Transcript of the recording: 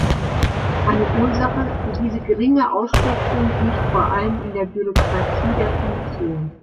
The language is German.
Eine Ursache für diese geringe Ausschöpfung liegt vor allem in der Bürokratie der Kommission.